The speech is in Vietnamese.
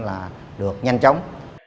là được nhanh chóng